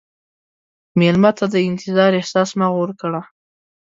مېلمه ته د انتظار احساس مه ورکړه.